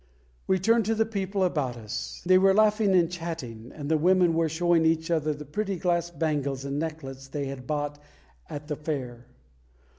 We turned to the people about us. They were laughing and chatting, and the women were showing each other the pretty glass bangles and necklets they had bought at the fair.